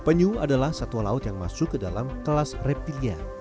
penyu adalah satwa laut yang masuk ke dalam kelas reptilia